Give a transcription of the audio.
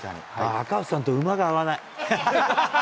赤星さんと馬が合わない。